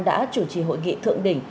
đã chủ trì hội nghị thượng đỉnh